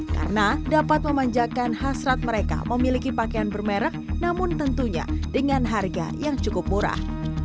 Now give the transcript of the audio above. karena dapat memanjakan hasrat mereka memiliki pakaian bermerek namun tentunya dengan harga yang cukup murah